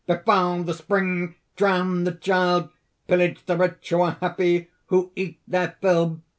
befoul the spring! drown the child! Pillage the rich who are happy who cat their fill!